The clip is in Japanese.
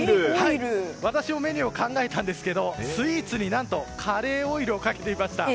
私もメニューを考えたんですがスイーツに何とカレーオイルをかけてみました。